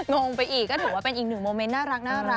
งงไปอีกก็ถือว่าเป็นอีกหนึ่งโมเมนต์น่ารักของเท่านี้เนอะ